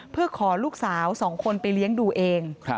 เพื่อขอลูกสาว๒คนไปเลี้ยงดูเอง